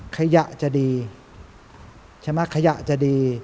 ขยะจะดี